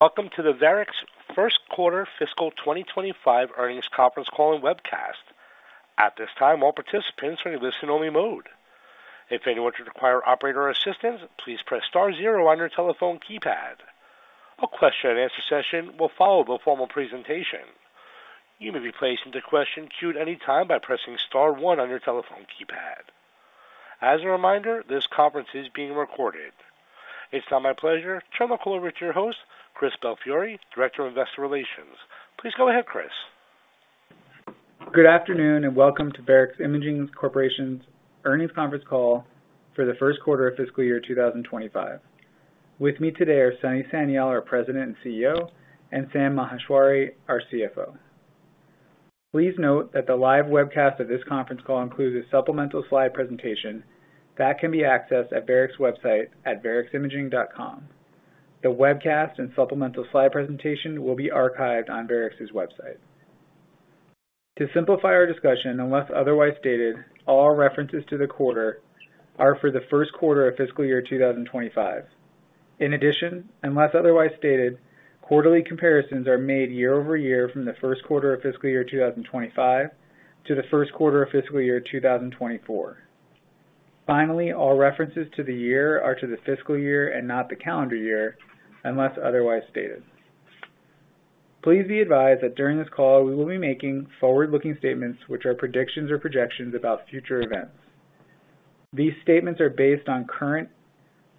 Welcome to the Varex Q1 Fiscal 2025 Earnings Conference Call and Webcast. At this time, all participants are in a listen-only mode. If anyone should require operator assistance, please press star zero on your telephone keypad. A question-and-answer session will follow the formal presentation. You may be placed into question queue anytime by pressing star one on your telephone keypad. As a reminder, this conference is being recorded. It's now my pleasure to turn the call over to your host, Chris Belfiore, Director of Investor Relations. Please go ahead, Chris. Good afternoon and welcome to Varex Imaging Corporation's Earnings Conference Call for the Q1 of fiscal year 2025. With me today are Sunny Sanyal, our President and CEO, and Sam Maheshwari, our CFO. Please note that the live webcast of this conference call includes a supplemental slide presentation that can be accessed at Varex's website at vareximaging.com. The webcast and supplemental slide presentation will be archived on Varex's website. To simplify our discussion, unless otherwise stated, all references to the quarter are for the Q1 of fiscal year 2025. In addition, unless otherwise stated, quarterly comparisons are made year-over-year from the Q1 of fiscal year 2025 to the Q1 of fiscal year 2024. Finally, all references to the year are to the fiscal year and not the calendar year, unless otherwise stated. Please be advised that during this call, we will be making forward-looking statements which are predictions or projections about future events. These statements are based on current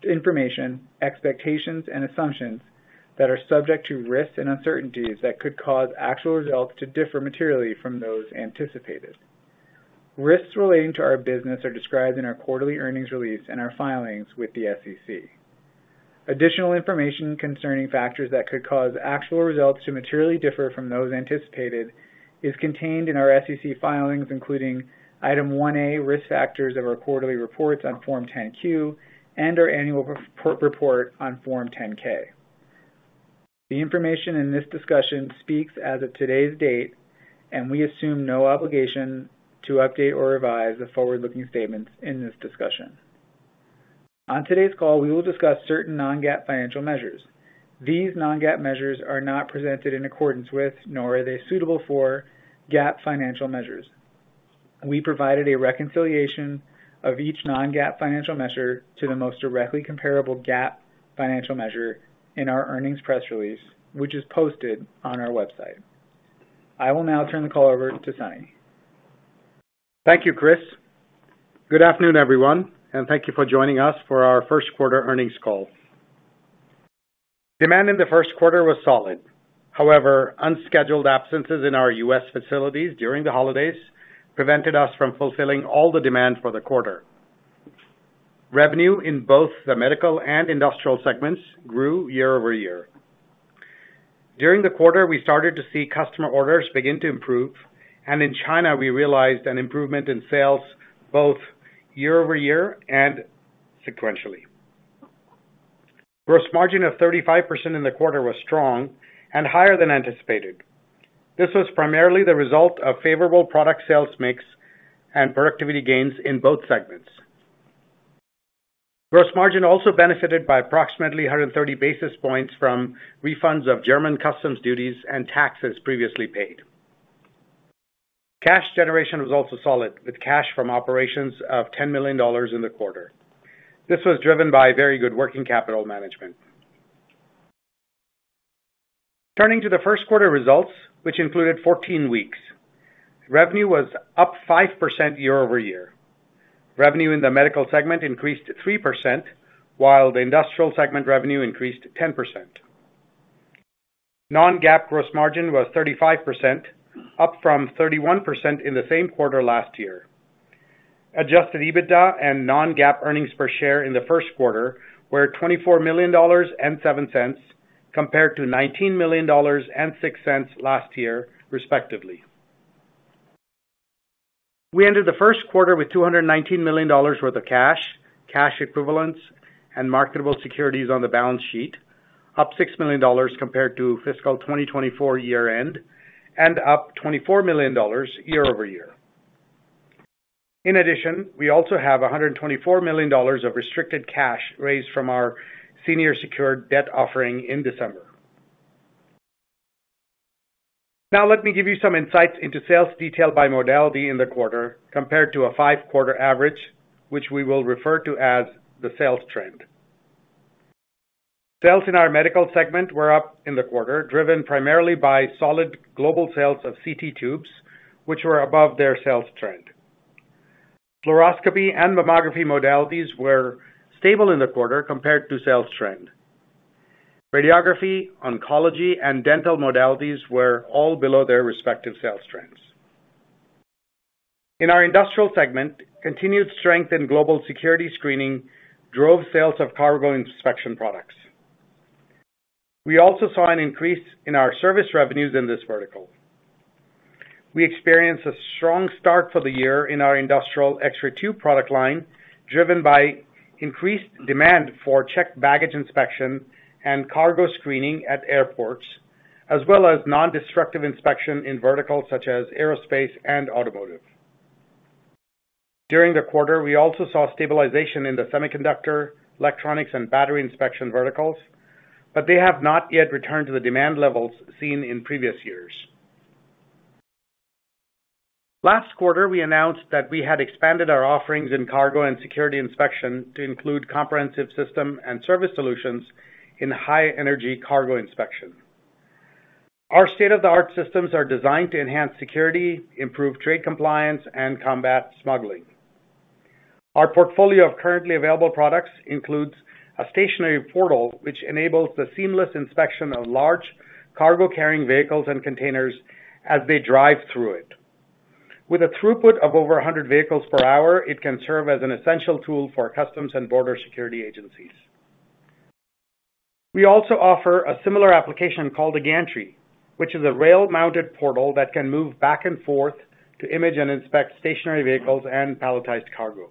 information, expectations, and assumptions that are subject to risks and uncertainties that could cause actual results to differ materially from those anticipated. Risks relating to our business are described in our quarterly earnings release and our filings with the SEC. Additional information concerning factors that could cause actual results to materially differ from those anticipated is contained in our SEC filings, including Item 1A, risk factors of our quarterly reports on Form 10-Q and our annual report on Form 10-K. The information in this discussion speaks as of today's date, and we assume no obligation to update or revise the forward-looking statements in this discussion. On today's call, we will discuss certain non-GAAP financial measures. These non-GAAP measures are not presented in accordance with, nor are they suitable for, GAAP financial measures. We provided a reconciliation of each non-GAAP financial measure to the most directly comparable GAAP financial measure in our earnings press release, which is posted on our website. I will now turn the call over to Sunny. Thank you, Chris. Good afternoon, everyone, and thank you for joining us for our Q1 earnings call. Demand in the Q1 was solid. However, unscheduled absences in our U.S. facilities during the holidays prevented us from fulfilling all the demand for the quarter. Revenue in both the medical and industrial segments grew year-over-year. During the quarter, we started to see customer orders begin to improve, and in China, we realized an improvement in sales both year-over-year and sequentially. Gross margin of 35% in the quarter was strong and higher than anticipated. This was primarily the result of favorable product sales mix and productivity gains in both segments. Gross margin also benefited by approximately 130 basis points from refunds of German customs duties and taxes previously paid. Cash generation was also solid, with cash from operations of $10 million in the quarter. This was driven by very good working capital management. Turning to the Q1 results, which included 14 weeks, revenue was up 5% year-over-year. Revenue in the medical segment increased 3%, while the industrial segment revenue increased 10%. Non-GAAP gross margin was 35%, up from 31% in the same quarter last year. Adjusted EBITDA and non-GAAP earnings per share in the Q1 were $24.07 million compared to $19.06 million last year, respectively. We ended the Q1 with $219 million worth of cash, cash equivalents, and marketable securities on the balance sheet, up $6 million compared to fiscal 2024 year-end and up $24 million year-over-year. In addition, we also have $124 million of restricted cash raised from our senior secured debt offering in December. Now, let me give you some insights into sales detailed by modality in the quarter compared to a five-quarter average, which we will refer to as the sales trend. Sales in our medical segment were up in the quarter, driven primarily by solid global sales of CT tubes, which were above their sales trend. Fluoroscopy and mammography modalities were stable in the quarter compared to sales trend. Radiography, oncology, and dental modalities were all below their respective sales trends. In our industrial segment, continued strength in global security screening drove sales of cargo inspection products. We also saw an increase in our service revenues in this vertical. We experienced a strong start for the year in our industrial X-ray tube product line, driven by increased demand for checked baggage inspection and cargo screening at airports, as well as non-destructive inspection in verticals such as aerospace and automotive. During the quarter, we also saw stabilization in the semiconductor, electronics, and battery inspection verticals, but they have not yet returned to the demand levels seen in previous years. Last quarter, we announced that we had expanded our offerings in cargo and security inspection to include comprehensive system and service solutions in high-energy cargo inspection. Our state-of-the-art systems are designed to enhance security, improve trade compliance, and combat smuggling. Our portfolio of currently available products includes a stationary portal, which enables the seamless inspection of large cargo-carrying vehicles and containers as they drive through it. With a throughput of over 100 vehicles per hour, it can serve as an essential tool for customs and border security agencies. We also offer a similar application called a gantry, which is a rail-mounted portal that can move back and forth to image and inspect stationary vehicles and palletized cargo.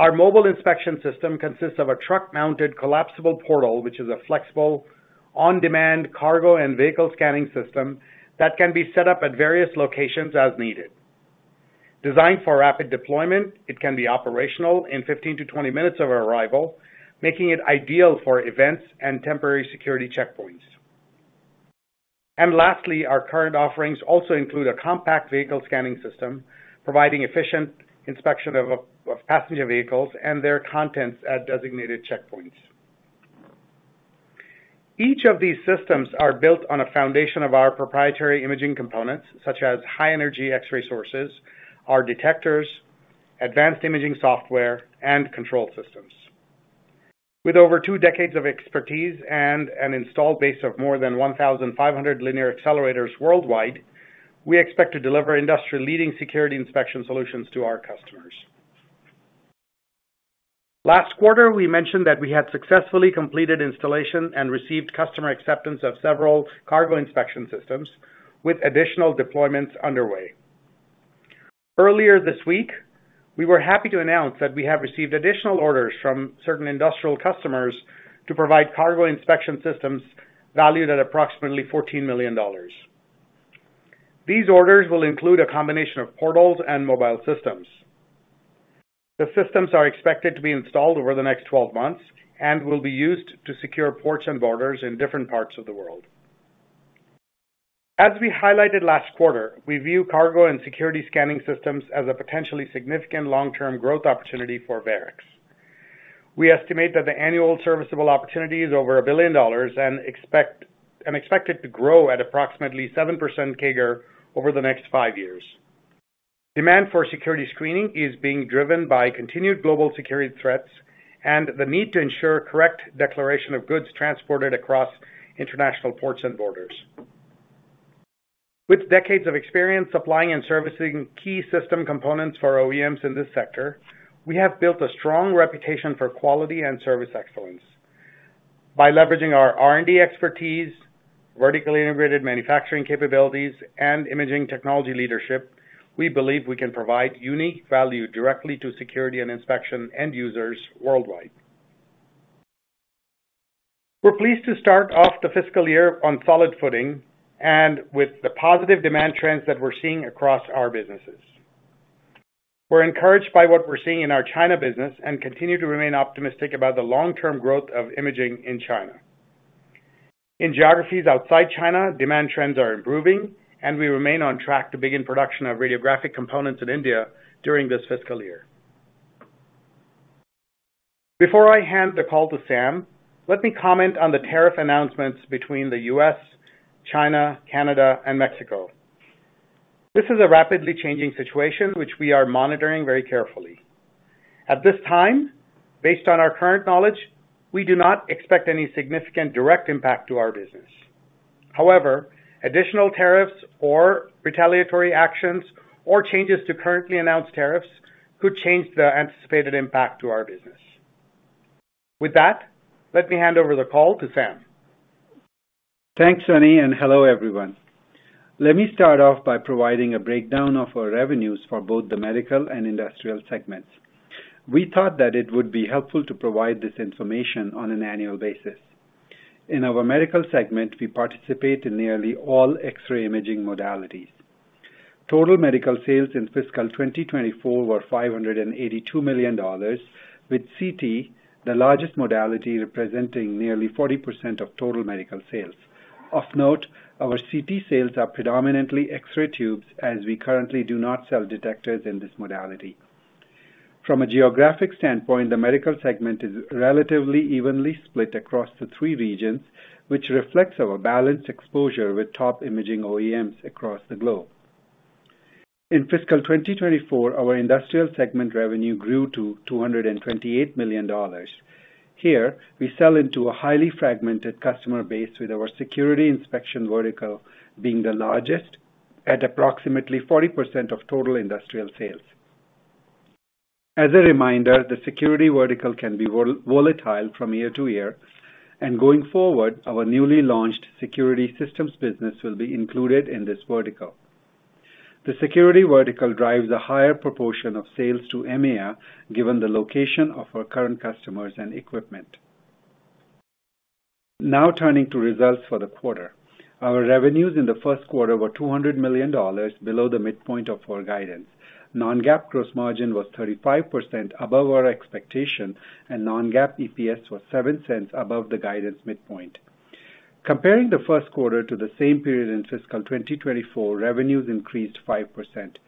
Our mobile inspection system consists of a truck-mounted collapsible portal, which is a flexible, on-demand cargo and vehicle scanning system that can be set up at various locations as needed. Designed for rapid deployment, it can be operational in 15-20 minutes of arrival, making it ideal for events and temporary security checkpoints. And lastly, our current offerings also include a compact vehicle scanning system, providing efficient inspection of passenger vehicles and their contents at designated checkpoints. Each of these systems is built on a foundation of our proprietary imaging components, such as high-energy X-ray sources, our detectors, advanced imaging software, and control systems. With over two decades of expertise and an installed base of more than 1,500 linear accelerators worldwide, we expect to deliver industry-leading security inspection solutions to our customers. Last quarter, we mentioned that we had successfully completed installation and received customer acceptance of several cargo inspection systems, with additional deployments underway. Earlier this week, we were happy to announce that we have received additional orders from certain industrial customers to provide cargo inspection systems valued at approximately $14 million. These orders will include a combination of portals and mobile systems. The systems are expected to be installed over the next 12 months and will be used to secure ports and borders in different parts of the world. As we highlighted last quarter, we view cargo and security scanning systems as a potentially significant long-term growth opportunity for Varex. We estimate that the annual serviceable opportunity is over $1 billion and expect it to grow at approximately 7% CAGR over the next five years. Demand for security screening is being driven by continued global security threats and the need to ensure correct declaration of goods transported across international ports and borders. With decades of experience supplying and servicing key system components for OEMs in this sector, we have built a strong reputation for quality and service excellence. By leveraging our R&D expertise, vertically integrated manufacturing capabilities, and imaging technology leadership, we believe we can provide unique value directly to security and inspection end users worldwide. We're pleased to start off the fiscal year on solid footing and with the positive demand trends that we're seeing across our businesses. We're encouraged by what we're seeing in our China business and continue to remain optimistic about the long-term growth of imaging in China. In geographies outside China, demand trends are improving, and we remain on track to begin production of radiographic components in India during this fiscal year. Before I hand the call to Sam, let me comment on the tariff announcements between the U.S., China, Canada, and Mexico. This is a rapidly changing situation which we are monitoring very carefully. At this time, based on our current knowledge, we do not expect any significant direct impact to our business. However, additional tariffs or retaliatory actions or changes to currently announced tariffs could change the anticipated impact to our business. With that, let me hand over the call to Sam. Thanks, Sunny, and hello, everyone. Let me start off by providing a breakdown of our revenues for both the medical and industrial segments. We thought that it would be helpful to provide this information on an annual basis. In our medical segment, we participate in nearly all X-ray imaging modalities. Total medical sales in fiscal 2024 were $582 million, with CT the largest modality representing nearly 40% of total medical sales. Of note, our CT sales are predominantly X-ray tubes, as we currently do not sell detectors in this modality. From a geographic standpoint, the medical segment is relatively evenly split across the three regions, which reflects our balanced exposure with top imaging OEMs across the globe. In fiscal 2024, our industrial segment revenue grew to $228 million. Here, we sell into a highly fragmented customer base, with our security inspection vertical being the largest at approximately 40% of total industrial sales. As a reminder, the security vertical can be volatile from year to year, and going forward, our newly launched security systems business will be included in this vertical. The security vertical drives a higher proportion of sales to MEA, given the location of our current customers and equipment. Now turning to results for the quarter, our revenues in the Q1 were $200 million below the midpoint of our guidance. Non-GAAP gross margin was 35% above our expectation, and non-GAAP EPS was $0.07 above the guidance midpoint. Comparing the Q1 to the same period in fiscal 2024, revenues increased 5%.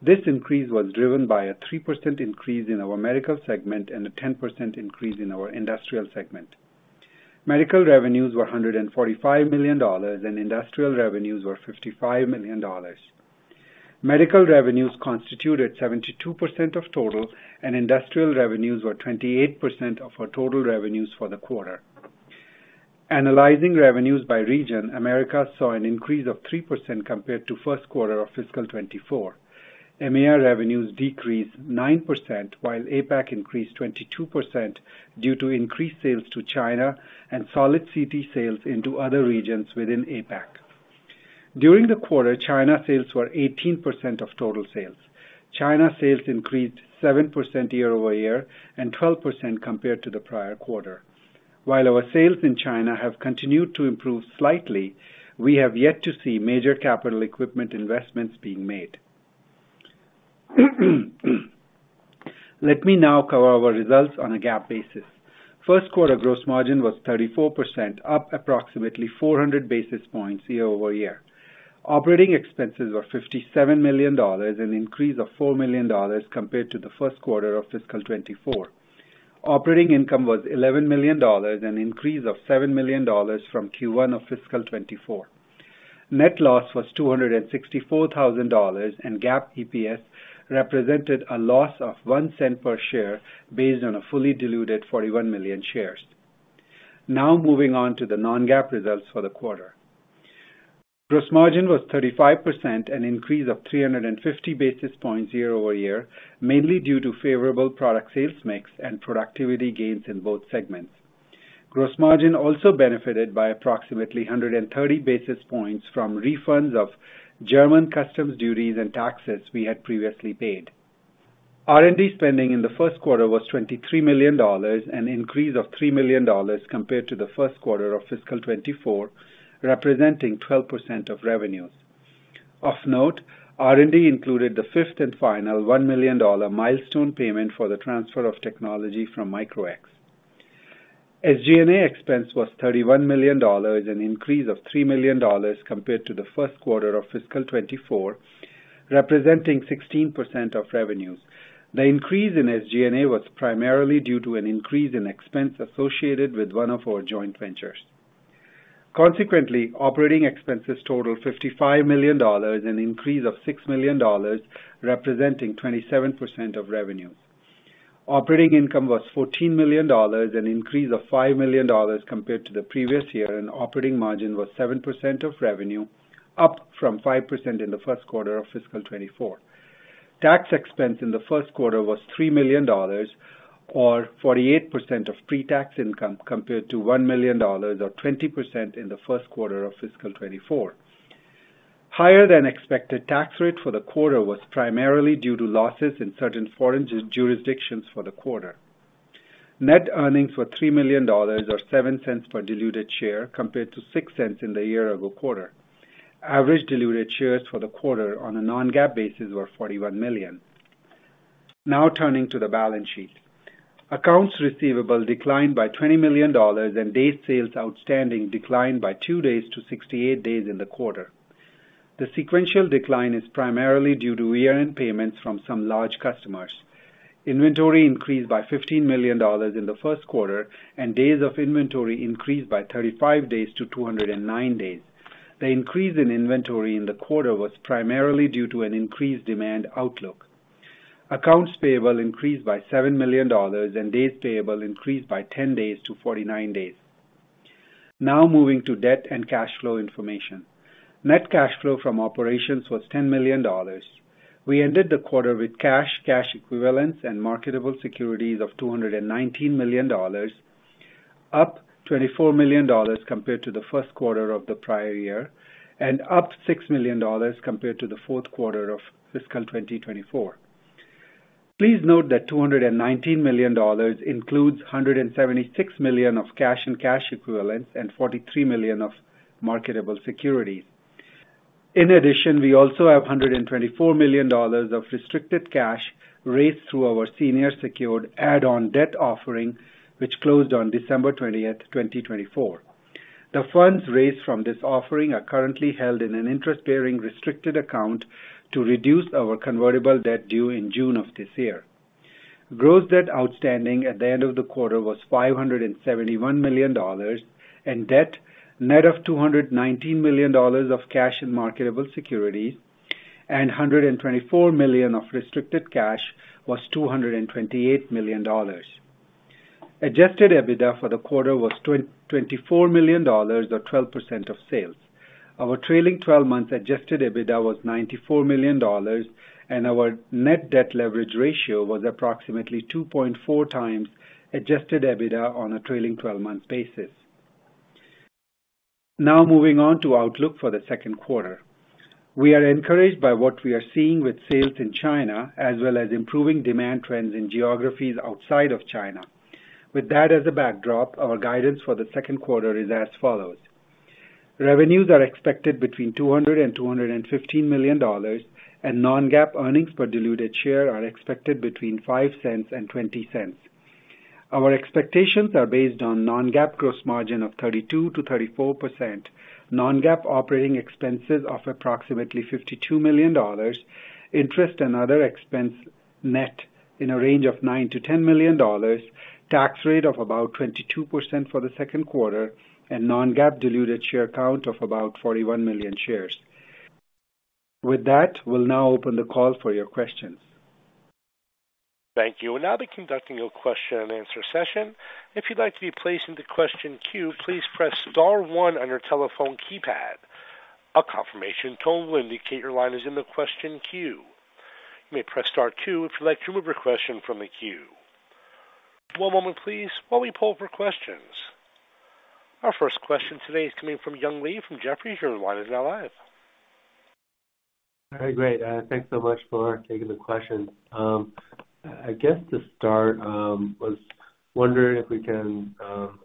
This increase was driven by a 3% increase in our medical segment and a 10% increase in our industrial segment. Medical revenues were $145 million, and industrial revenues were $55 million. Medical revenues constituted 72% of total, and industrial revenues were 28% of our total revenues for the quarter. Analyzing revenues by region, Americas saw an increase of 3% compared to the Q1 of fiscal 2024. MEA revenues decreased 9%, while APAC increased 22% due to increased sales to China and solid CT sales into other regions within APAC. During the quarter, China sales were 18% of total sales. China sales increased 7% year-over-year and 12% compared to the prior quarter. While our sales in China have continued to improve slightly, we have yet to see major capital equipment investments being made. Let me now cover our results on a GAAP basis. Q1 gross margin was 34%, up approximately 400 basis points year-over-year. Operating expenses were $57 million, an increase of $4 million compared to the Q1 of fiscal 2024. Operating income was $11 million, an increase of $7 million from Q1 of fiscal 2024. Net loss was $264,000, and GAAP EPS represented a loss of $0.01 per share based on a fully diluted 41 million shares. Now moving on to the non-GAAP results for the quarter. Gross margin was 35%, an increase of 350 basis points year-over-year, mainly due to favorable product sales mix and productivity gains in both segments. Gross margin also benefited by approximately 130 basis points from refunds of German customs duties and taxes we had previously paid. R&D spending in the Q1 was $23 million, an increase of $3 million compared to the Q1 of fiscal 2024, representing 12% of revenues. Of note, R&D included the fifth and final $1 million milestone payment for the transfer of technology from Micro-X. SG&A expense was $31 million, an increase of $3 million compared to the Q1 of fiscal 2024, representing 16% of revenues. The increase in SG&A was primarily due to an increase in expense associated with one of our joint ventures. Consequently, operating expenses totaled $55 million, an increase of $6 million, representing 27% of revenues. Operating income was $14 million, an increase of $5 million compared to the previous year, and operating margin was 7% of revenue, up from 5% in the Q1 of fiscal 2024. Tax expense in the Q1 was $3 million, or 48% of pre-tax income, compared to $1 million, or 20% in the Q1 of fiscal 2024. Higher than expected tax rate for the quarter was primarily due to losses in certain foreign jurisdictions for the quarter. Net earnings were $3 million, or $0.07 per diluted share, compared to $0.06 in the year-ago quarter. Average diluted shares for the quarter on a non-GAAP basis were 41 million. Now turning to the balance sheet. Accounts receivable declined by $20 million, and days sales outstanding declined by two days to 68 days in the quarter. The sequential decline is primarily due to year-end payments from some large customers. Inventory increased by $15 million in the Q1, and days of inventory increased by 35 days to 209 days. The increase in inventory in the quarter was primarily due to an increased demand outlook. Accounts payable increased by $7 million, and days payable increased by 10 days to 49 days. Now moving to debt and cash flow information. Net cash flow from operations was $10 million. We ended the quarter with cash, cash equivalents, and marketable securities of $219 million, up $24 million compared to the Q1 of the prior year, and up $6 million compared to the Q4 of fiscal 2024. Please note that $219 million includes $176 million of cash and cash equivalents and $43 million of marketable securities. In addition, we also have $124 million of restricted cash raised through our senior secured add-on debt offering, which closed on December 20, 2024. The funds raised from this offering are currently held in an interest-bearing restricted account to reduce our convertible debt due in June of this year. Gross debt outstanding at the end of the quarter was $571 million, and debt net of $219 million of cash and marketable securities, and $124 million of restricted cash was $228 million. Adjusted EBITDA for the quarter was $24 million, or 12% of sales. Our trailing 12 months adjusted EBITDA was $94 million, and our net debt leverage ratio was approximately 2.4x adjusted EBITDA on a trailing 12-month basis. Now moving on to outlook for the Q2. We are encouraged by what we are seeing with sales in China, as well as improving demand trends in geographies outside of China. With that as a backdrop, our guidance for the Q2 is as follows. Revenues are expected between $200 and $215 million, and non-GAAP earnings per diluted share are expected between $0.05 and $0.20. Our expectations are based on non-GAAP gross margin of 32%-34%, non-GAAP operating expenses of approximately $52 million, interest and other expense net in a range of $9-$10 million, tax rate of about 22% for the Q2, and non-GAAP diluted share count of about 41 million shares. With that, we'll now open the call for your questions. Thank you. We'll now be conducting a question-and-answer session. If you'd like to be placed into question queue, please press star one on your telephone keypad. A confirmation tone will indicate your line is in the question queue. You may press star two if you'd like to remove your question from the queue. One moment, please, while we pull up our questions. Our first question today is coming from Young Li from Jefferies. All right, great. Thanks so much for taking the question. I guess to start, I was wondering if we can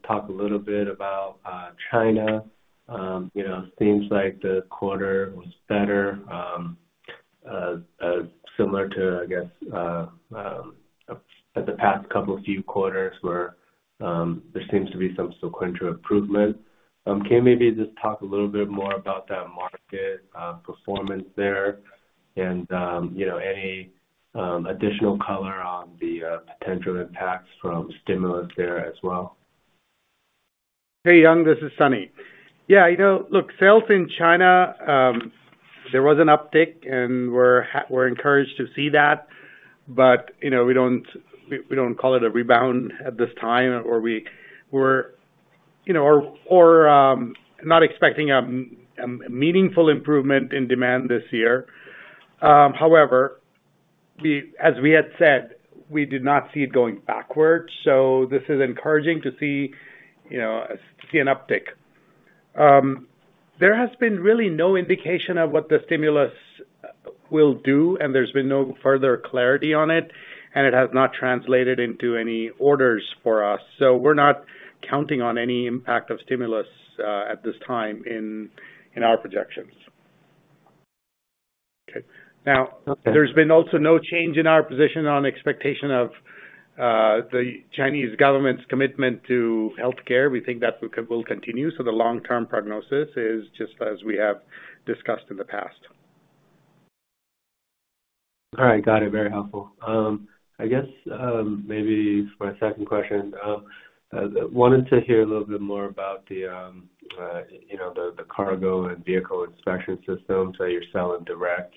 talk a little bit about China. It seems like the quarter was better, similar to, I guess, the past couple of few quarters where there seems to be some sequential improvement. Can you maybe just talk a little bit more about that market performance there and any additional color on the potential impacts from stimulus there as well? Hey, Young, this is Sunny. Yeah, look, sales in China, there was an uptick, and we're encouraged to see that, but we don't call it a rebound at this time, or we're not expecting a meaningful improvement in demand this year. However, as we had said, we did not see it going backward, so this is encouraging to see an uptick. There has been really no indication of what the stimulus will do, and there's been no further clarity on it, and it has not translated into any orders for us. So we're not counting on any impact of stimulus at this time in our projections. Okay. Now, there's been also no change in our position on expectation of the Chinese government's commitment to healthcare. We think that will continue, so the long-term prognosis is just as we have discussed in the past. All right, got it. Very helpful. I guess maybe for a second question, I wanted to hear a little bit more about the cargo and vehicle inspection systems that you're selling direct.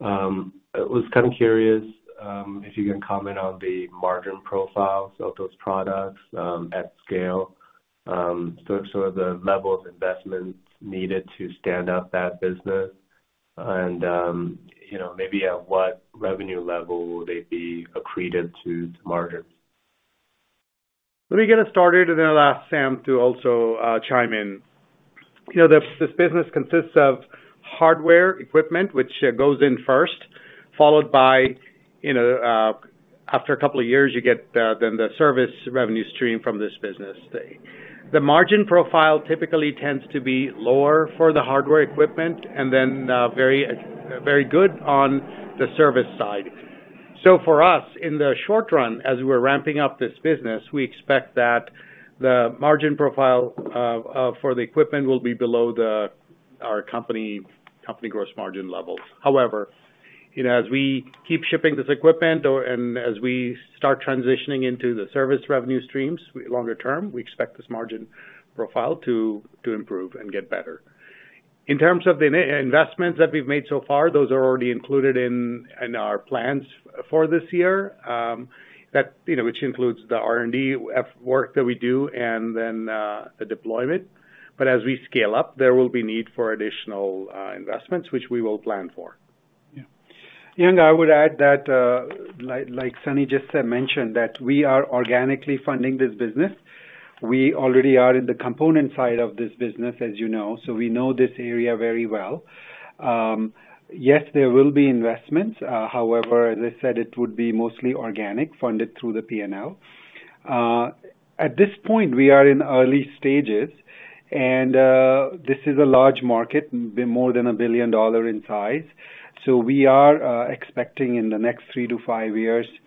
I was kind of curious if you can comment on the margin profiles of those products at scale, sort of the level of investment needed to stand up that business, and maybe at what revenue level they'd be accretive to margins. Let me get us started, and then I'll ask Sam to also chime in. This business consists of hardware equipment, which goes in first, followed by, after a couple of years, you get then the service revenue stream from this business. The margin profile typically tends to be lower for the hardware equipment and then very good on the service side. So for us, in the short run, as we're ramping up this business, we expect that the margin profile for the equipment will be below our company gross margin levels. However, as we keep shipping this equipment and as we start transitioning into the service revenue streams longer term, we expect this margin profile to improve and get better. In terms of the investments that we've made so far, those are already included in our plans for this year, which includes the R&D work that we do and then the deployment, but as we scale up, there will be need for additional investments, which we will plan for. Yeah. Young, I would add that, like Sunny just mentioned, that we are organically funding this business. We already are in the component side of this business, as you know, so we know this area very well. Yes, there will be investments. However, as I said, it would be mostly organic, funded through the P&L. At this point, we are in early stages, and this is a large market, more than $1 billion in size. So we are expecting in the next three to five years to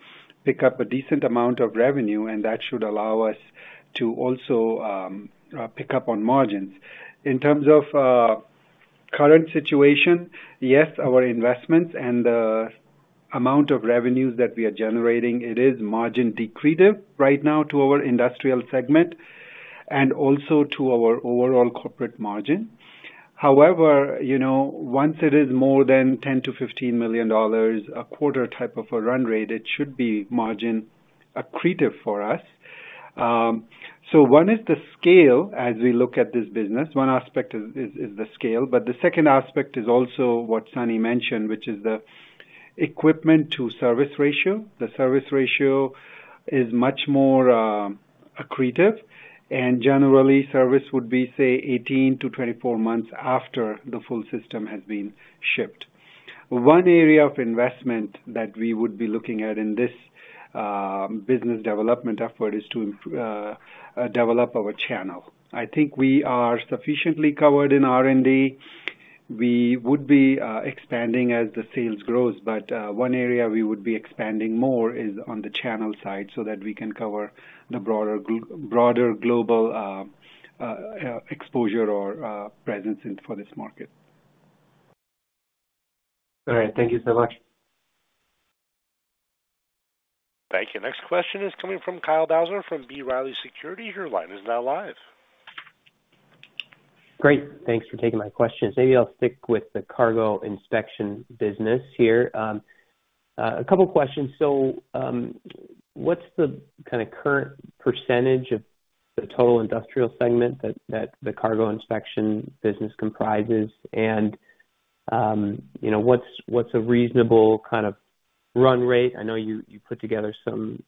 pick up a decent amount of revenue, and that should allow us to also pick up on margins. In terms of current situation, yes, our investments and the amount of revenues that we are generating, it is margin-decretive right now to our industrial segment and also to our overall corporate margin. However, once it is more than $10-$15 million a quarter type of a run rate, it should be margin-accretive for us. So one is the scale as we look at this business. One aspect is the scale, but the second aspect is also what Sunny mentioned, which is the equipment-to-service ratio. The service ratio is much more accretive, and generally, service would be, say, 18-24 months after the full system has been shipped. One area of investment that we would be looking at in this business development effort is to develop our channel. I think we are sufficiently covered in R&D. We would be expanding as the sales grows, but one area we would be expanding more is on the channel side so that we can cover the broader global exposure or presence for this market. All right. Thank you so much. Thank you. Next question is coming from Kyle Bauser from B. Riley Securities. Your line is now live. Great. Thanks for taking my questions. Maybe I'll stick with the cargo inspection business here. A couple of questions. So what's the kind of current percentage of the total industrial segment that the cargo inspection business comprises, and what's a reasonable kind of run rate? I know you put together some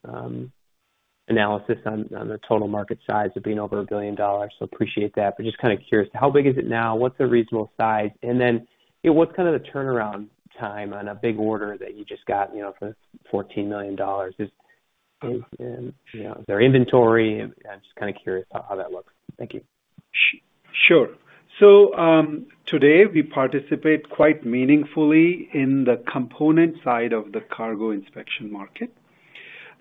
analysis on the total market size of being over a billion dollars, so appreciate that, but just kind of curious. How big is it now? What's the reasonable size? And then what's kind of the turnaround time on a big order that you just got for $14 million? Is there inventory? I'm just kind of curious about how that looks. Thank you. Sure. So today, we participate quite meaningfully in the component side of the cargo inspection market.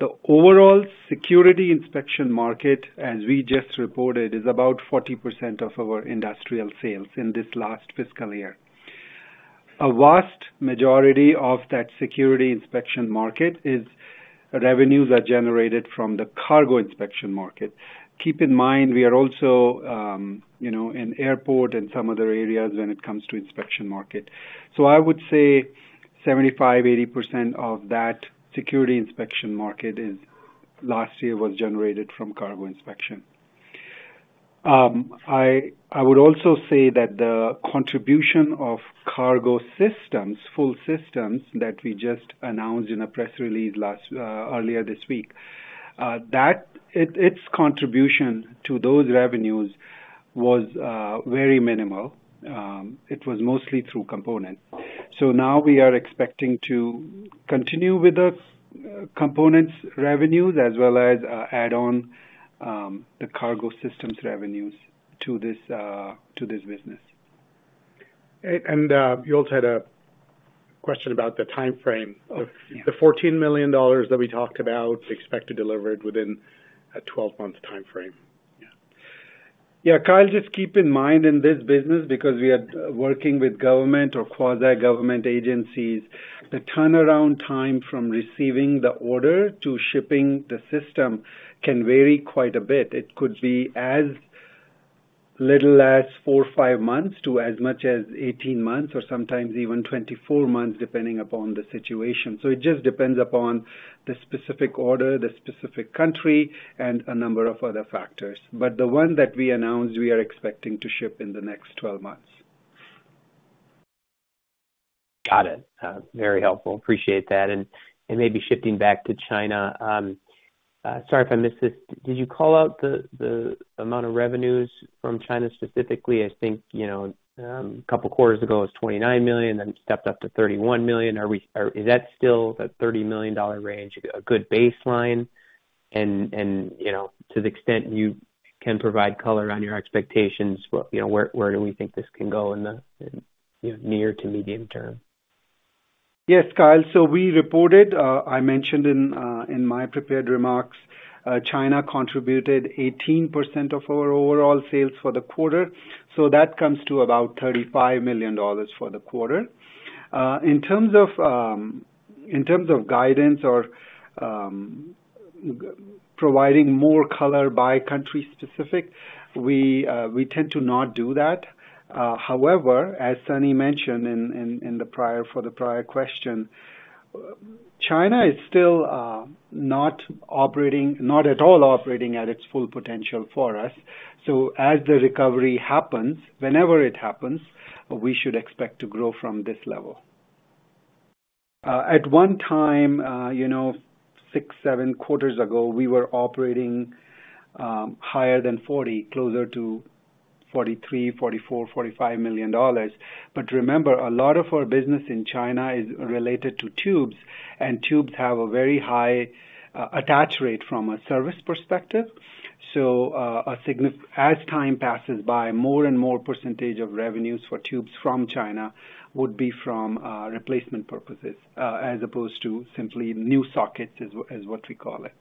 The overall security inspection market, as we just reported, is about 40% of our industrial sales in this last fiscal year. A vast majority of that security inspection market is revenues that are generated from the cargo inspection market. Keep in mind, we are also in airport and some other areas when it comes to inspection market. So I would say 75%-80% of that security inspection market last year was generated from cargo inspection. I would also say that the contribution of cargo systems, full systems that we just announced in a press release earlier this week, its contribution to those revenues was very minimal. It was mostly through components. So now we are expecting to continue with the components' revenues as well as add on the cargo systems revenues to this business. You also had a question about the timeframe. The $14 million that we talked about, expected delivered within a 12-month timeframe. Yeah. Kyle, just keep in mind in this business, because we are working with government or quasi-government agencies, the turnaround time from receiving the order to shipping the system can vary quite a bit. It could be as little as four or five months to as much as 18 months or sometimes even 24 months, depending upon the situation. So it just depends upon the specific order, the specific country, and a number of other factors. But the one that we announced, we are expecting to ship in the next 12 months. Got it. Very helpful. Appreciate that, and maybe shifting back to China, sorry if I missed this. Did you call out the amount of revenues from China specifically? I think a couple of quarters ago it was $29 million, then stepped up to $31 million. Is that still the $30 million range? A good baseline, and to the extent you can provide color on your expectations, where do we think this can go in the near to medium term? Yes, Kyle. So we reported. I mentioned in my prepared remarks, China contributed 18% of our overall sales for the quarter. So that comes to about $35 million for the quarter. In terms of guidance or providing more color by country specific, we tend to not do that. However, as Sunny mentioned for the prior question, China is still not at all operating at its full potential for us. So as the recovery happens, whenever it happens, we should expect to grow from this level. At one time, six, seven quarters ago, we were operating higher than $40 million, closer to $43 million, $44 million-$45 million. But remember, a lot of our business in China is related to tubes, and tubes have a very high attach rate from a service perspective. So as time passes by, more and more percentage of revenues for tubes from China would be from replacement purposes as opposed to simply new sockets, is what we call it.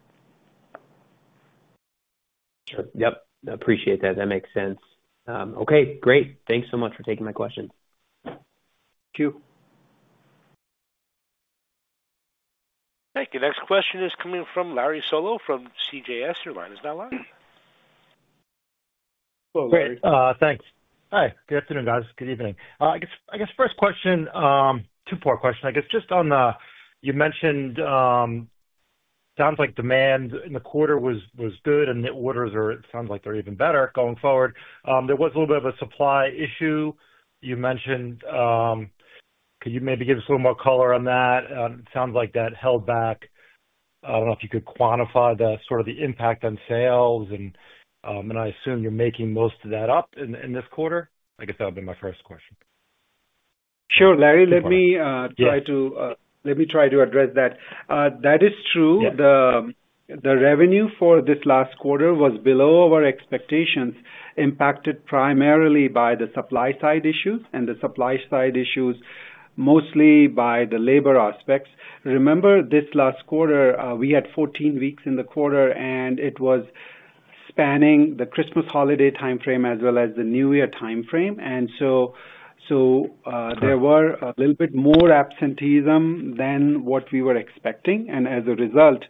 Sure. Yep. Appreciate that. That makes sense. Okay. Great. Thanks so much for taking my questions. Thank you. Thank you. Next question is coming from Larry Solow from CJS Securities. Is that Larry? Thanks. Hi. Good afternoon, guys. Good evening. I guess first question, two-part question, I guess, just on the you mentioned sounds like demand in the quarter was good, and the orders sound like they're even better going forward. There was a little bit of a supply issue. You mentioned. Could you maybe give us a little more color on that? It sounds like that held back. I don't know if you could quantify sort of the impact on sales, and I assume you're making most of that up in this quarter. I guess that would be my first question. Sure, Larry. Let me try to address that. That is true. The revenue for this last quarter was below our expectations, impacted primarily by the supply side issues and the supply side issues mostly by the labor aspects. Remember, this last quarter, we had 14 weeks in the quarter, and it was spanning the Christmas holiday timeframe as well as the New Year timeframe, and so there were a little bit more absenteeism than what we were expecting, and as a result,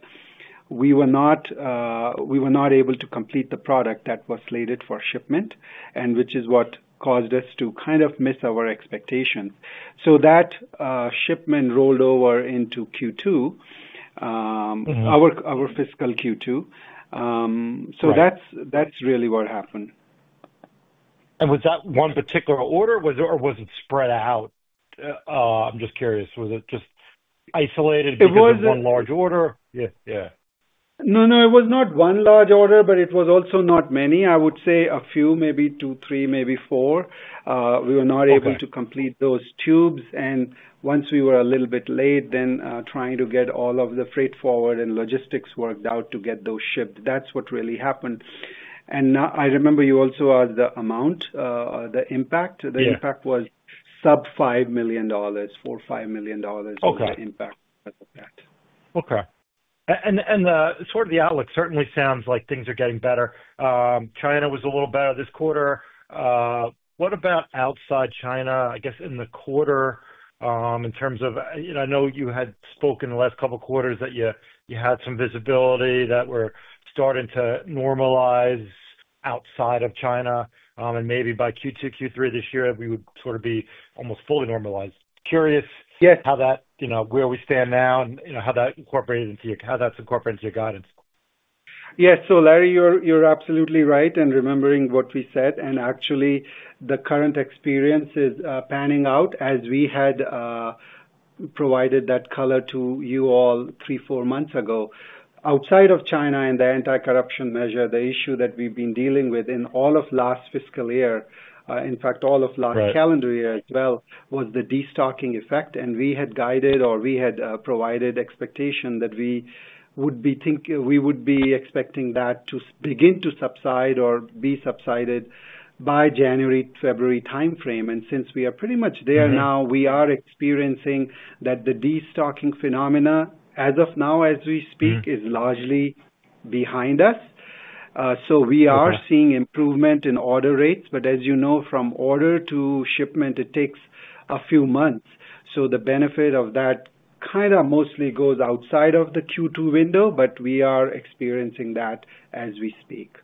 we were not able to complete the product that was slated for shipment, which is what caused us to kind of miss our expectations. So that shipment rolled over into Q2, our fiscal Q2, so that's really what happened. And was that one particular order, or was it spread out? I'm just curious. Was it just isolated, maybe one large order? No, no. It was not one large order, but it was also not many. I would say a few, maybe two, three, maybe four. We were not able to complete those tubes. And once we were a little bit late, then trying to get all of the freight forward and logistics worked out to get those shipped. That's what really happened. And I remember you also asked the amount, the impact. The impact was sub-$5 million, $4-$5 million impact of that. Okay. And sort of the outlook certainly sounds like things are getting better. China was a little better this quarter. What about outside China? I guess in the quarter, in terms of, I know you had spoken the last couple of quarters that you had some visibility that were starting to normalize outside of China. And maybe by Q2, Q3 this year, we would sort of be almost fully normalized. Curious how that's where we stand now and how that's incorporated into your guidance. Yeah. So, Larry, you're absolutely right in remembering what we said. And actually, the current experience is panning out as we had provided that color to you all three, four months ago. Outside of China and the anti-corruption measure, the issue that we've been dealing with in all of last fiscal year, in fact, all of last calendar year as well, was the destocking effect. And we had guided or we had provided expectation that we would be expecting that to begin to subside or be subsided by January-February timeframe. And since we are pretty much there now, we are experiencing that the destocking phenomena, as of now as we speak, is largely behind us. So we are seeing improvement in order rates. But as you know, from order to shipment, it takes a few months. So the benefit of that kind of mostly goes outside of the Q2 window, but we are experiencing that as we speak.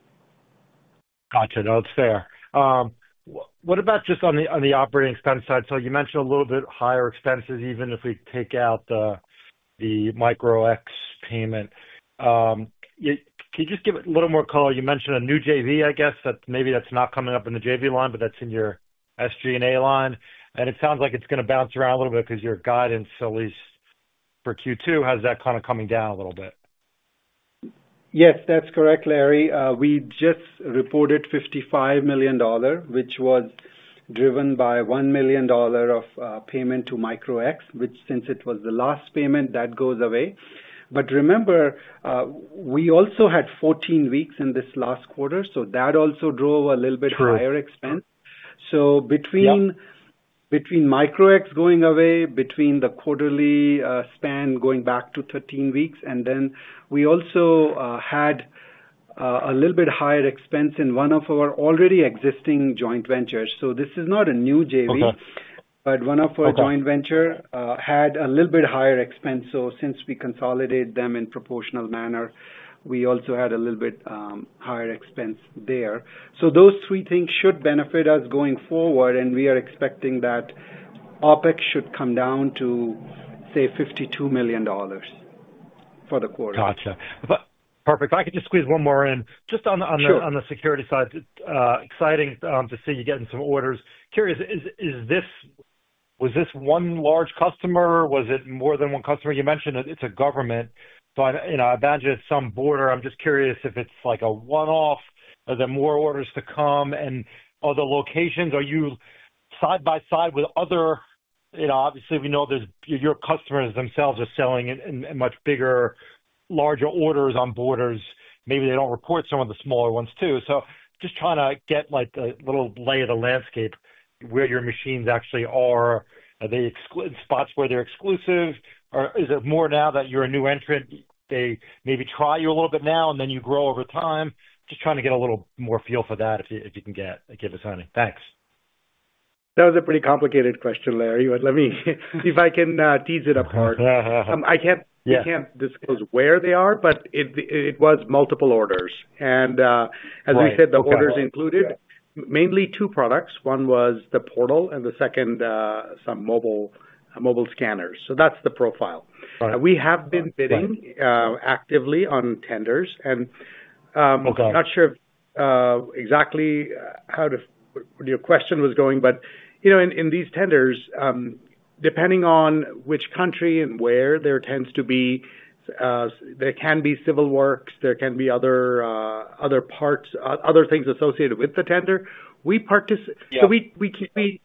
Gotcha, that's fair. What about just on the operating expense side? So you mentioned a little bit higher expenses, even if we take out the Micro-X payment. Can you just give it a little more color? You mentioned a new JV, I guess. Maybe that's not coming up in the JV line, but that's in your SG&A line. And it sounds like it's going to bounce around a little bit because your guidance, at least for Q2, has that kind of coming down a little bit. Yes, that's correct, Larry. We just reported $55 million, which was driven by $1 million of payment to Micro-X, which since it was the last payment, that goes away. But remember, we also had 14 weeks in this last quarter, so that also drove a little bit higher expense. So between Micro-X going away, between the quarterly span going back to 13 weeks, and then we also had a little bit higher expense in one of our already existing joint ventures. So this is not a new JV, but one of our joint ventures had a little bit higher expense. So since we consolidated them in proportional manner, we also had a little bit higher expense there. So those three things should benefit us going forward, and we are expecting that OPEX should come down to, say, $52 million for the quarter. Gotcha. Perfect. If I could just squeeze one more in. Just on the security side, exciting to see you getting some orders. Curious, was this one large customer? Was it more than one customer? You mentioned it's a government, but I imagine it's some border. I'm just curious if it's a one-off. Are there more orders to come? And are the locations? Are you side by side with other? Obviously, we know your customers themselves are selling in much bigger, larger orders on borders. Maybe they don't report some of the smaller ones too. So just trying to get a little lay of the landscape where your machines actually are. Are they in spots where they're exclusive? Or is it more now that you're a new entrant, they maybe try you a little bit now, and then you grow over time? Just trying to get a little more feel for that if you can give us any? Thanks. That was a pretty complicated question, Larry. If I can tease it apart, I can't disclose where they are, but it was multiple orders. And as we said, the orders included mainly two products. One was the portal, and the second, some mobile scanners. So that's the profile. We have been bidding actively on tenders. And I'm not sure exactly how your question was going, but in these tenders, depending on which country and where, there tends to be, there can be civil works, there can be other parts, other things associated with the tender. So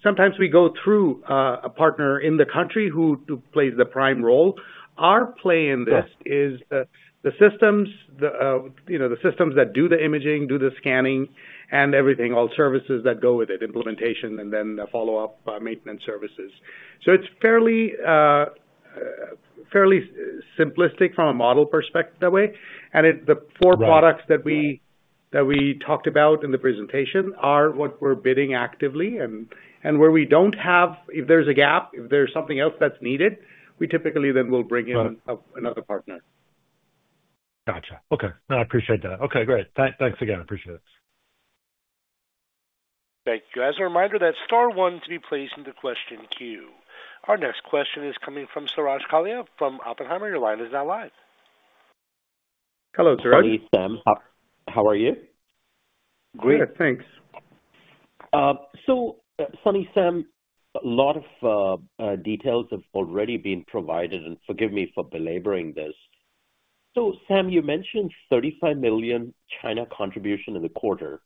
sometimes we go through a partner in the country who plays the prime role. Our play in this is the systems that do the imaging, do the scanning, and everything, all services that go with it, implementation, and then the follow-up maintenance services. So it's fairly simplistic from a model perspective that way. And the four products that we talked about in the presentation are what we're bidding actively. And where we don't have, if there's a gap, if there's something else that's needed, we typically then will bring in another partner. Gotcha. Okay. No, I appreciate that. Okay. Great. Thanks again. I appreciate it. Thank you. As a reminder, that's star one to be placed into question queue. Our next question is coming from Suraj Kalia from Oppenheimer. Your line is now live. Hello, Suraj. Sunny, Sam. How are you? Great. Thanks. Sunny Sam, a lot of details have already been provided, and forgive me for belaboring this. Sam, you mentioned $35 million China contribution in the quarter.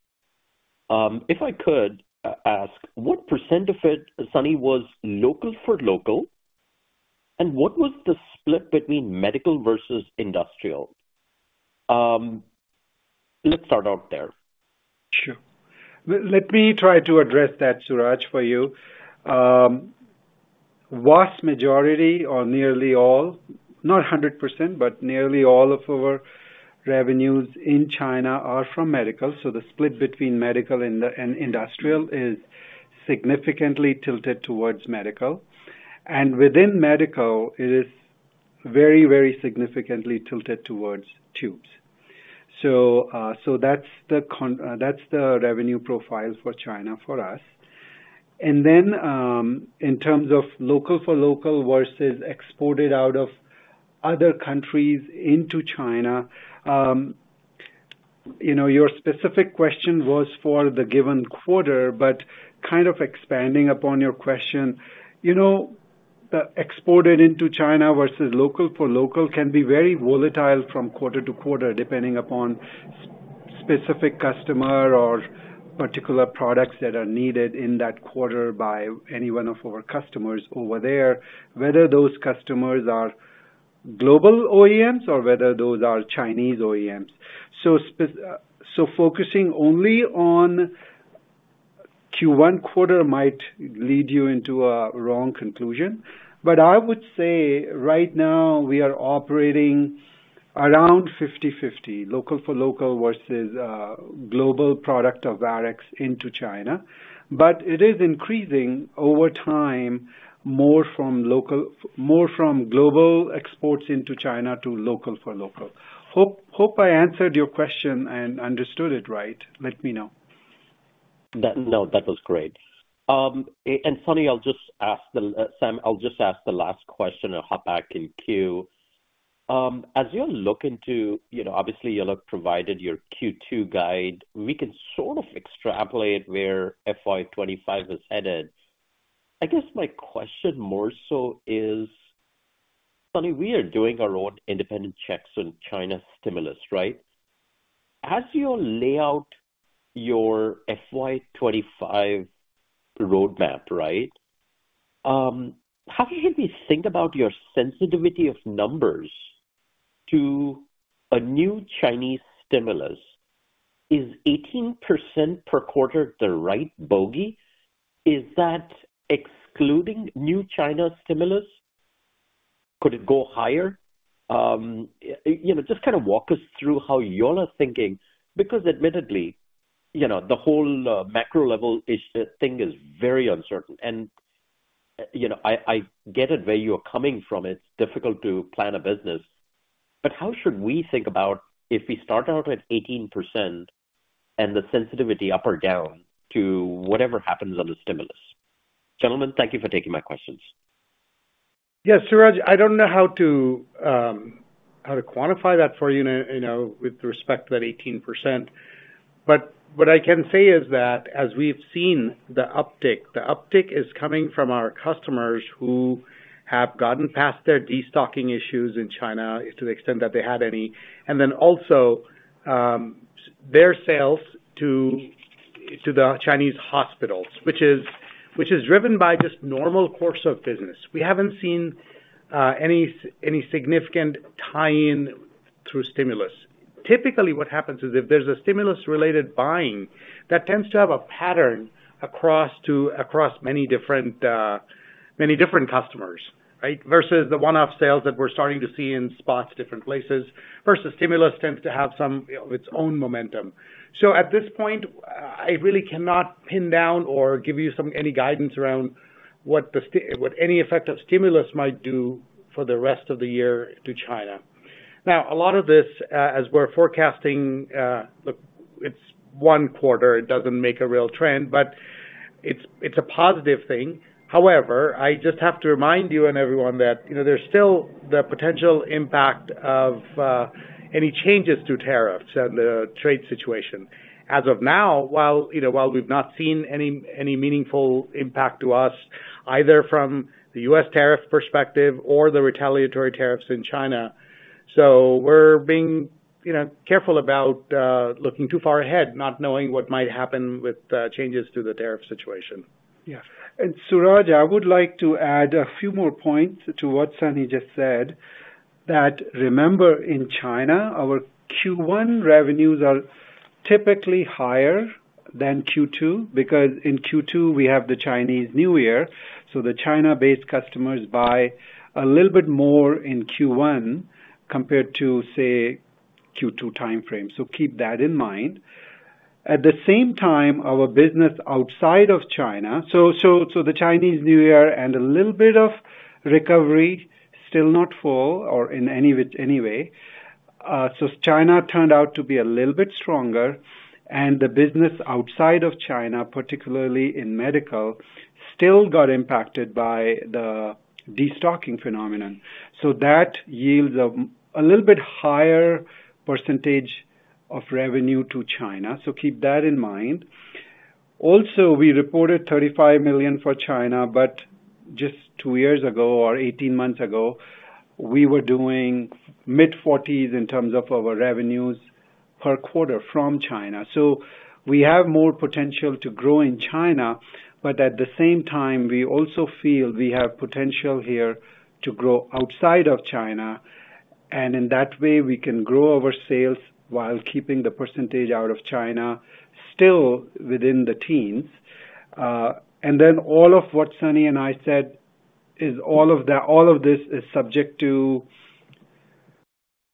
If I could ask, what % of it, Sunny, was local for local? And what was the split between medical versus industrial? Let's start out there. Sure. Let me try to address that, Suraj, for you. Vast majority or nearly all, not 100%, but nearly all of our revenues in China are from medical. So the split between medical and industrial is significantly tilted towards medical. And within medical, it is very, very significantly tilted towards tubes. So that's the revenue profile for China for us. And then in terms of local for local versus exported out of other countries into China, your specific question was for the given quarter, but kind of expanding upon your question, the exported into China versus local for local can be very volatile from quarter to quarter, depending upon specific customer or particular products that are needed in that quarter by any one of our customers over there, whether those customers are global OEMs or whether those are Chinese OEMs. Focusing only on Q1 quarter might lead you into a wrong conclusion. But I would say right now, we are operating around 50/50, local for local versus global product of Varex into China. But it is increasing over time more from global exports into China to local for local. Hope I answered your question and understood it right. Let me know. No, that was great. And Sunny, I'll just ask Sam the last question and hop back in queue. As you look into obviously, you provided your Q2 guide. We can sort of extrapolate where FY25 is headed. I guess my question more so is, Sunny, we are doing our own independent checks on China stimulus, right? As you lay out your FY25 roadmap, right, how can we think about your sensitivity of numbers to a new Chinese stimulus? Is 18% per quarter the right bogey? Is that excluding new China stimulus? Could it go higher? Just kind of walk us through how you're thinking, because admittedly, the whole macro level thing is very uncertain. And I get it where you're coming from. It's difficult to plan a business. But how should we think about if we start out at 18% and the sensitivity up or down to whatever happens on the stimulus? Gentlemen, thank you for taking my questions. Yes, Suraj, I don't know how to quantify that for you with respect to that 18%. But what I can say is that as we've seen the uptick, the uptick is coming from our customers who have gotten past their destocking issues in China to the extent that they had any. And then also their sales to the Chinese hospitals, which is driven by just normal course of business. We haven't seen any significant tie-in through stimulus. Typically, what happens is if there's a stimulus-related buying, that tends to have a pattern across many different customers, right, versus the one-off sales that we're starting to see in spots, different places, versus stimulus tends to have some of its own momentum. So at this point, I really cannot pin down or give you any guidance around what any effect of stimulus might do for the rest of the year to China. Now, a lot of this, as we're forecasting, it's one quarter. It doesn't make a real trend, but it's a positive thing. However, I just have to remind you and everyone that there's still the potential impact of any changes to tariffs and the trade situation. As of now, while we've not seen any meaningful impact to us, either from the U.S. tariff perspective or the retaliatory tariffs in China, so we're being careful about looking too far ahead, not knowing what might happen with changes to the tariff situation. Yes. And, Suraj, I would like to add a few more points to what Sunny just said, that remember in China, our Q1 revenues are typically higher than Q2 because in Q2, we have the Chinese New Year. So the China-based customers buy a little bit more in Q1 compared to, say, Q2 timeframe. So keep that in mind. At the same time, our business outside of China so the Chinese New Year and a little bit of recovery, still not full or in any way. So China turned out to be a little bit stronger. And the business outside of China, particularly in medical, still got impacted by the destocking phenomenon. So that yields a little bit higher percentage of revenue to China. So keep that in mind. Also, we reported $35 million for China, but just two years ago or 18 months ago, we were doing mid-40s in terms of our revenues per quarter from China. So we have more potential to grow in China, but at the same time, we also feel we have potential here to grow outside of China. And in that way, we can grow our sales while keeping the percentage out of China still within the teens. And then all of what Sunny and I said is all of this is subject to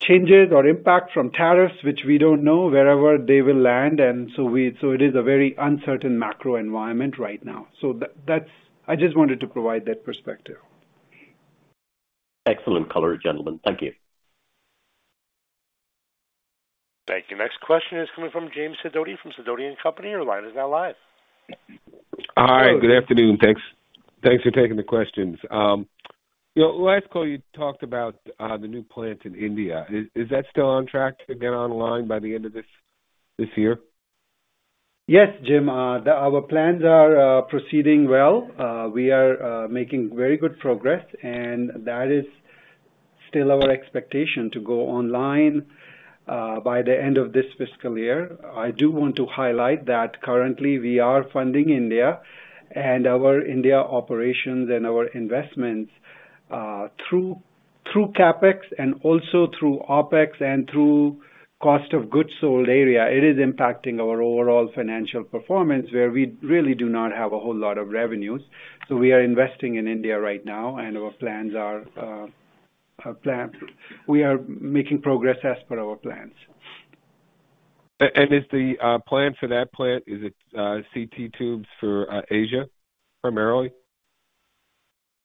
changes or impact from tariffs, which we don't know where they will land. And so it is a very uncertain macro environment right now. So I just wanted to provide that perspective. Excellent color, gentlemen. Thank you. Thank you. Next question is coming from Jim Sidoti from Sidoti & Company. Your line is now live. Hi. Good afternoon. Thanks for taking the questions. Last call, you talked about the new plant in India. Is that still on track to get online by the end of this year? Yes, Jim. Our plans are proceeding well. We are making very good progress, and that is still our expectation to go online by the end of this fiscal year. I do want to highlight that currently we are funding India, and our India operations and our investments through CapEx and also through OpEx and through cost of goods sold area, it is impacting our overall financial performance where we really do not have a whole lot of revenues. So we are investing in India right now, and our plans are we are making progress as per our plans. Is the plan for that plant, is it CT tubes for Asia primarily?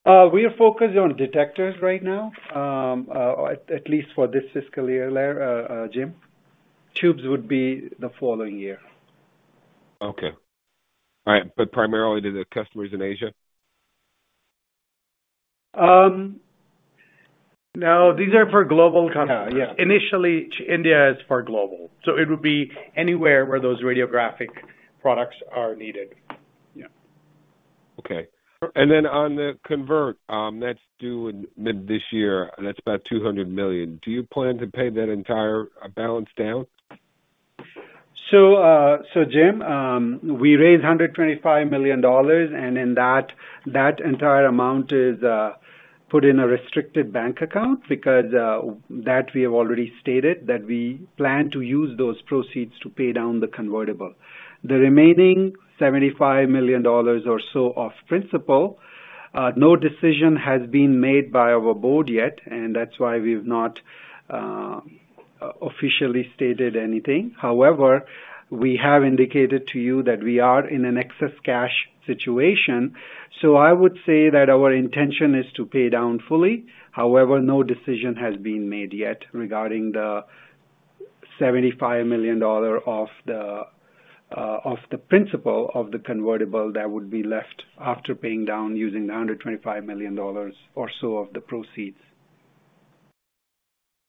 We are focused on detectors right now, at least for this fiscal year, Jim. Tubes would be the following year. Okay. All right. But primarily to the customers in Asia? No, these are for global customers. Yeah. Initially, India is for global. So it would be anywhere where those radiographic products are needed. Yeah. Okay, and then on the convert, that's due in mid this year. That's about $200 million. Do you plan to pay that entire balance down? So Jim, we raised $125 million, and in that entire amount is put in a restricted bank account because that we have already stated that we plan to use those proceeds to pay down the convertible. The remaining $75 million or so of principal, no decision has been made by our board yet, and that's why we've not officially stated anything. However, we have indicated to you that we are in an excess cash situation. So I would say that our intention is to pay down fully. However, no decision has been made yet regarding the $75 million of the principal of the convertible that would be left after paying down using the $125 million or so of the proceeds.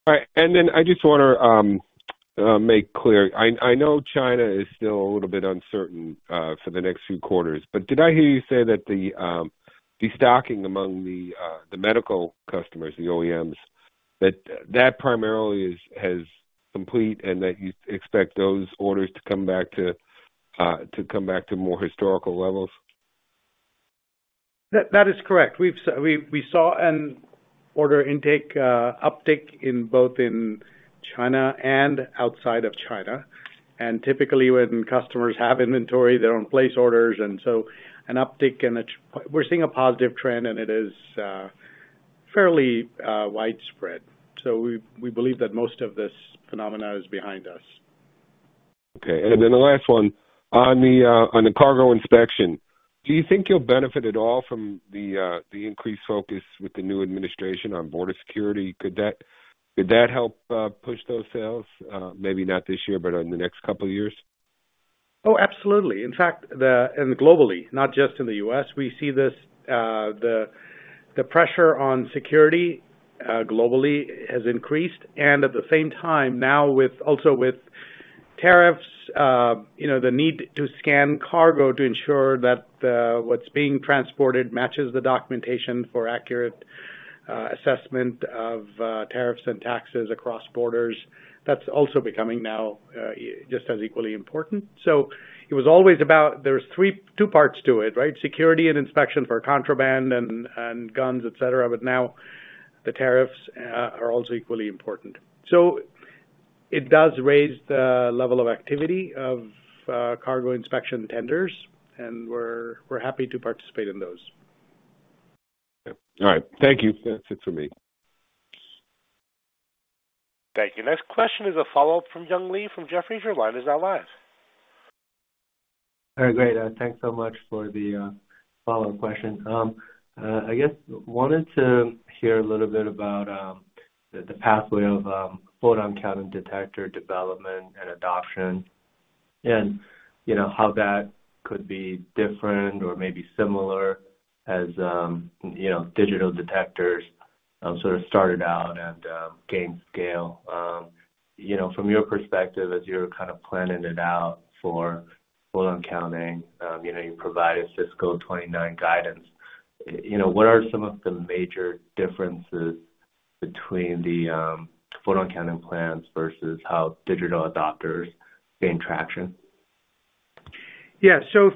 All right. And then I just want to make clear, I know China is still a little bit uncertain for the next few quarters, but did I hear you say that the stocking among the medical customers, the OEMs, that that primarily has complete and that you expect those orders to come back to more historical levels? That is correct. We saw an order intake uptick both in China and outside of China, and typically, when customers have inventory, they don't place orders, and so an uptick, and we're seeing a positive trend, and it is fairly widespread, so we believe that most of this phenomena is behind us. Okay, and then the last one, on the cargo inspection, do you think you'll benefit at all from the increased focus with the new administration on border security? Could that help push those sales, maybe not this year, but in the next couple of years? Oh, absolutely. In fact, globally, not just in the U.S., we see this. The pressure on security globally has increased. And at the same time, now also with tariffs, the need to scan cargo to ensure that what's being transported matches the documentation for accurate assessment of tariffs and taxes across borders, that's also becoming now just as equally important. So it was always about there were two parts to it, right? Security and inspection for contraband and guns, etc. But now the tariffs are also equally important. So it does raise the level of activity of cargo inspection tenders, and we're happy to participate in those. All right. Thank you. That's it for me. Thank you. Next question is a follow-up from Young Li. From Jefferies, your line is now live. All right. Great. Thanks so much for the follow-up question. I guess I wanted to hear a little bit about the pathway of photon counting detector development and adoption and how that could be different or maybe similar as digital detectors sort of started out and gained scale. From your perspective, as you're kind of planning it out for photon counting, you provided fiscal 2029 guidance. What are some of the major differences between the photon counting plans versus how digital adopters gain traction? Yeah. So if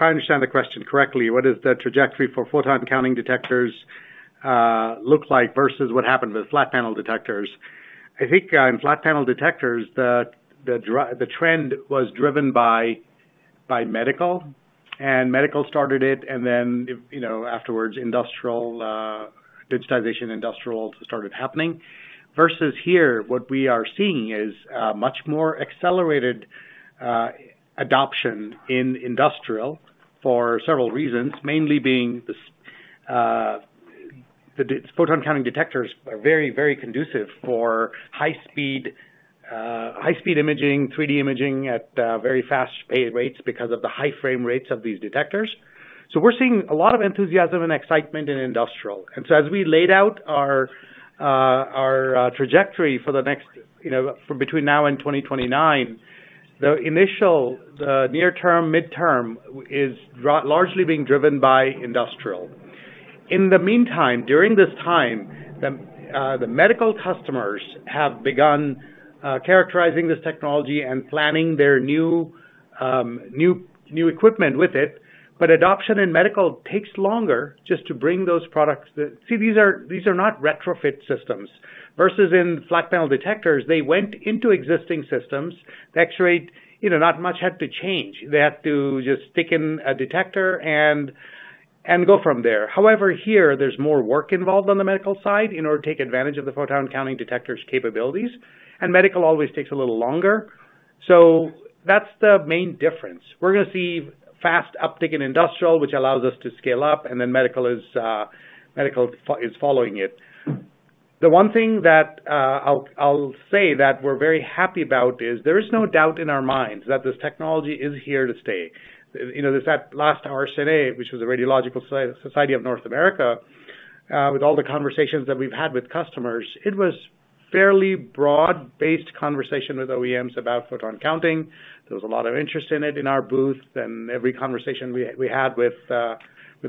I understand the question correctly, what does the trajectory for photon counting detectors look like versus what happened with flat panel detectors? I think in flat panel detectors, the trend was driven by medical, and medical started it, and then afterwards, digitization industrial started happening. Versus here, what we are seeing is much more accelerated adoption in industrial for several reasons, mainly being the photon counting detectors are very, very conducive for high-speed imaging, 3D imaging at very fast rates because of the high frame rates of these detectors. So we're seeing a lot of enthusiasm and excitement in industrial. And so as we laid out our trajectory for the next between now and 2029, the initial, the near-term, mid-term is largely being driven by industrial. In the meantime, during this time, the medical customers have begun characterizing this technology and planning their new equipment with it. But adoption in medical takes longer just to bring those products. See, these are not retrofit systems. Versus in flat panel detectors, they went into existing systems. Actually, not much had to change. They had to just stick in a detector and go from there. However, here, there's more work involved on the medical side in order to take advantage of the photon counting detectors' capabilities. And medical always takes a little longer. So that's the main difference. We're going to see fast uptick in industrial, which allows us to scale up, and then medical is following it. The one thing that I'll say that we're very happy about is there is no doubt in our minds that this technology is here to stay. This last RSNA, which was the Radiological Society of North America, with all the conversations that we've had with customers, it was a fairly broad-based conversation with OEMs about photon counting. There was a lot of interest in it in our booth, and every conversation we had with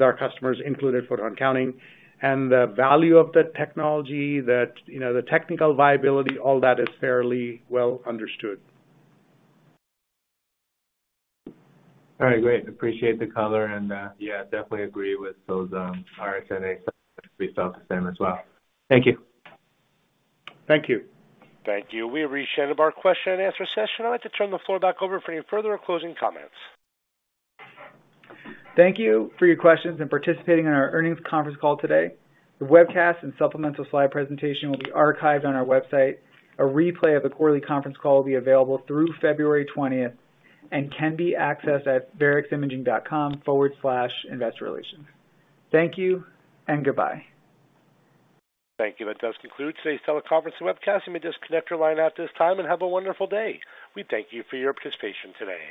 our customers included photon counting, and the value of the technology, the technical viability, all that is fairly well understood. All right. Great. Appreciate the color. And yeah, definitely agree with those RSNAs. We felt the same as well. Thank you. Thank you. Thank you. We've reached the end of our question and answer session. I'd like to turn the floor back over for any further or closing comments. Thank you for your questions and participating in our earnings conference call today. The webcast and supplemental slide presentation will be archived on our website. A replay of the quarterly conference call will be available through 20 February 2025 and can be accessed at vareximaging.com/investor-relations. Thank you and goodbye. Thank you. That does conclude today's teleconference and webcast. You may just disconnect your line at this time and have a wonderful day. We thank you for your participation today.